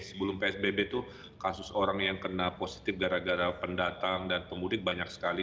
sebelum psbb itu kasus orang yang kena positif gara gara pendatang dan pemudik banyak sekali